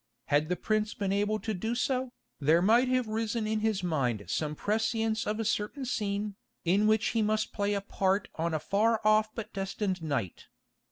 Had the prince been able to do so, there might have risen in his mind some prescience of a certain scene, in which he must play a part on a far off but destined night.